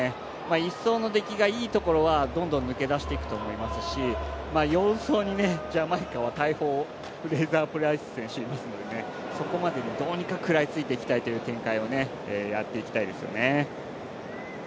１走の出来がいいところはどんどん抜け出していくと思いますし４走にジャマイカは大砲、フレイザープライス選手がいるので、そこまでにどうにか食らいついてきたいという展開をやっていきたいですよね。